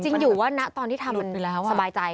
จริงอยู่ว่านะตอนที่ทำมันสบายใจ